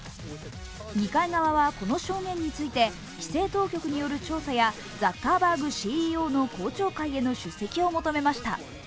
議会側はこの証言について、規制当局による調査やザッカーバーグＣＥＯの公聴会への出席を求めました。